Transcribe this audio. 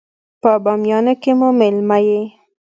په بامیانو کې مو مېلمه يې.